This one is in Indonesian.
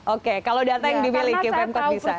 oke kalau data yang dimiliki pemkot bisa